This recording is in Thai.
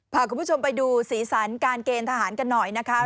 พาคุณผู้ชมไปดูสีสันการเกณฑ์ทหารกันหน่อยนะคะ